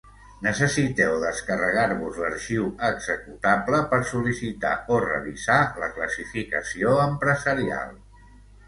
Necessiteu descarregar-vos l'arxiu executable per sol·licitar o revisar la classificació empresarial.